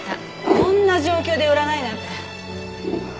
こんな状況で売らないなんて。